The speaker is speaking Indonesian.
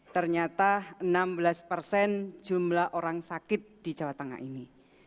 ternyata enam belas persen jumlah orang sakit di jawa tengah ini